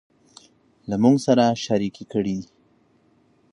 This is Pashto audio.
له موږ سره شريکې کړي